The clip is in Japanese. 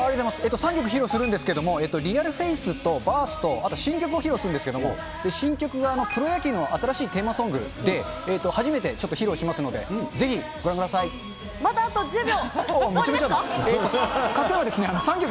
３曲披露するんですけど、ＲｅａｌＦａｃｅとＢＩＲＴＨと、あと新曲を披露するんですけど、新曲がプロ野球の新しいテーマソングで、初めてちょっと披露しますので、まだあと１０秒。